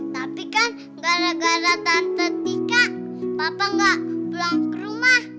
tapi kan gara gara tante tika papa gak pulang ke rumah